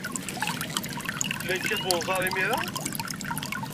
La yekkat unẓar imir-a?